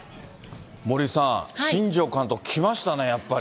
森さん、新庄監督、きましたね、やっぱり。